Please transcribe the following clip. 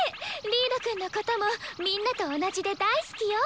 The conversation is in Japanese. リードくんのこともみんなと同じで大好きよ！